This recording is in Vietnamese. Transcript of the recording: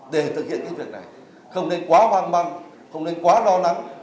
để thực hiện việc này không nên quá hoang măng không nên quá lo nắng